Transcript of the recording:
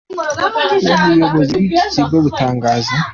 Ubuyobozi bw’iki kigo butangaza.